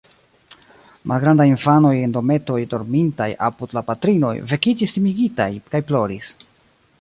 Malgrandaj infanoj en dometoj, dormintaj apud la patrinoj, vekiĝis timigitaj kaj ploris.